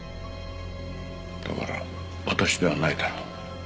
だから私ではないだろう。